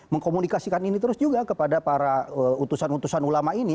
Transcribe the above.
mengkomunikasikan ini terus juga kepada para utusan utusan ulama ini